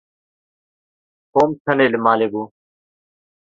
Tom tenê li malê bû.